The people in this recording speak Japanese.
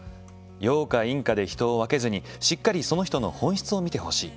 陽か陰かで人を分けずにしっかりその人の本質を見てほしい。